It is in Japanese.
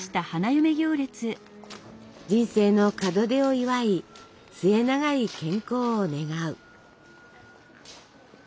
人生の門出を祝い末永い健康を願う。